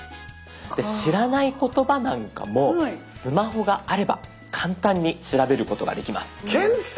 知らない言葉なんかもスマホがあれば簡単に調べることができます。